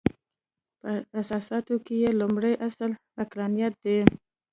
په اساساتو کې یې لومړۍ اصل عقلانیت دی.